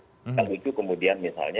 kita uju kemudian misalnya